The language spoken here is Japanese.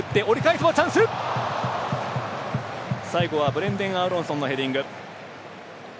最後はブレンデン・アーロンソンのヘディング。